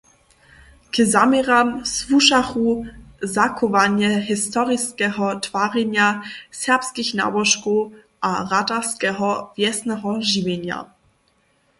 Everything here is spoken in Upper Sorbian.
K zaměram słušachu zachowanje historiskeho twarjenja, serbskich nałožkow a ratarskeho wjesneho žiwjenja.